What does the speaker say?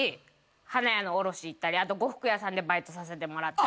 花屋の卸行ったりあと呉服屋さんでバイトさせてもらったり。